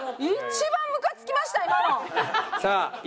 一番むかつきました